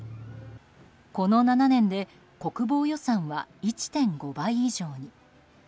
この７年で国防予算は１．５倍以上に。